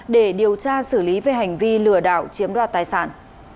để điều tra xử lý về hành vi lừa đảo chiếm đoạt tài sản